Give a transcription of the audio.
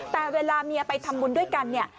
แต่เวลาเมียไปทำบุญด้วยกันเนี่ย